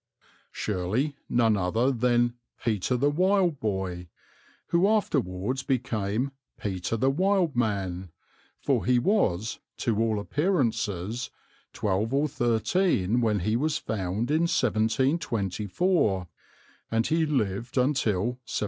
Surely none other than "Peter the Wild Boy," who afterwards became "Peter the Wild Man," for he was, to all appearances, twelve or thirteen when he was found in 1724, and he lived until 1785.